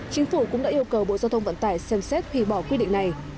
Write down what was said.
chính phủ cũng đã yêu cầu bộ giao thông vận tải xem xét hủy bỏ quy định này